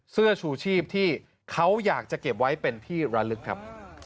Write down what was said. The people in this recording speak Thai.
เสื้อชูชีพที่เขาอยากจะเก็บไว้เป็นที่ระลึกครับ